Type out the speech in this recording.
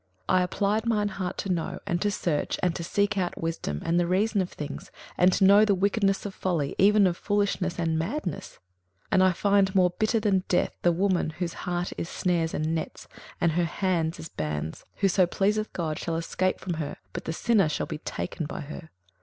21:007:025 I applied mine heart to know, and to search, and to seek out wisdom, and the reason of things, and to know the wickedness of folly, even of foolishness and madness: 21:007:026 And I find more bitter than death the woman, whose heart is snares and nets, and her hands as bands: whoso pleaseth God shall escape from her; but the sinner shall be taken by her.